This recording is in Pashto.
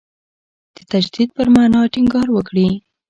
د تجدید پر معنا ټینګار وکړي.